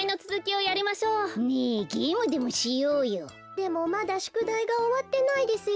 でもまだしゅくだいがおわってないですよ。